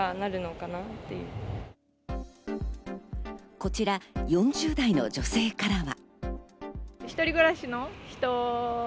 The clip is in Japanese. こちら、４０代の女性からは。